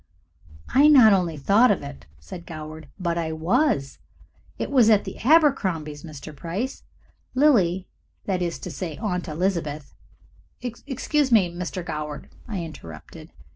"I not only thought of it," said Goward, "but I was. It was at the Abercrombies', Mr. Price. Lily that is to say, Aunt Elizabeth " "Excuse me, Mr. Goward," I interrupted.